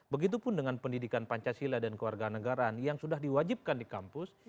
begitupun dengan pendidikan pancasila dan keluarga negaraan yang sudah diwajibkan di kampus